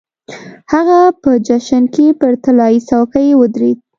هغه په جشن کې پر طلايي څوکۍ ودرېد.